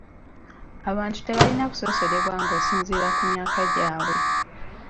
Abantu tebalina kusosolebwa ng'osinziira ku myaka gyabwe .